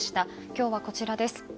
今日は、こちらです。